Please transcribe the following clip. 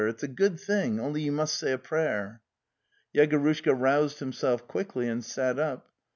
It's a good thing, only you must say a prayer." Yegorushka roused himself quickly and sat up.